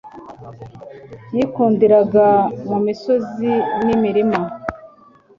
Yikundiraga mu misozi n'imirima,